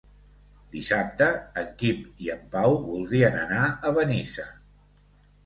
Dissabte en Quim i en Pau voldrien anar a Benissa.